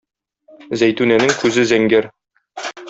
Зәйтүнәнең күзе зәңгәр.